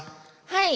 はい。